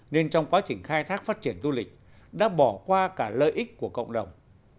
nên trong quá trình khai thác phát triển du lịch đã bỏ qua cả lợi ích của cộng đồng